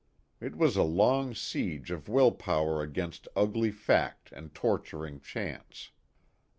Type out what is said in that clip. It was a long siege of will power against ugly fact and torturing chance.